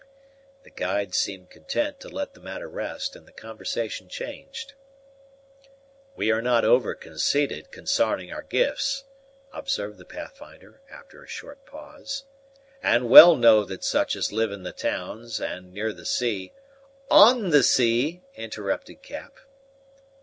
The guide seemed content to let the matter rest, and the conversation changed. "We are not over conceited consarning our gifts," observed the Pathfinder, after a short pause, "and well know that such as live in the towns, and near the sea " "On the sea," interrupted Cap.